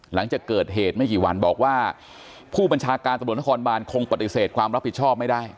หลังจากเกิดเหตุไม่กี่วันบอกว่าผู้บัญชาการตำรวจนครบานคงปฏิเสธความรับผิดชอบไม่ได้